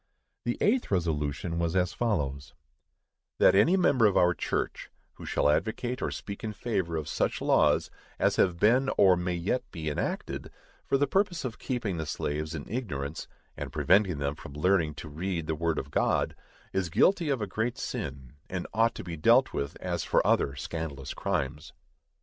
The eighth resolution was as follows: That any member of our church, who shall advocate or speak in favor of such laws as have been or may yet be enacted, for the purpose of keeping the slaves in ignorance, and preventing them from learning to read the word of God, is guilty of a great sin, and ought to be dealt with as for other scandalous crimes.